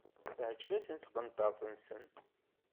Teεǧeb-asen tqenṭert-nsen.